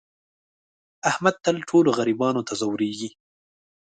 احمد تل ټولو غریبانو ته ځورېږي.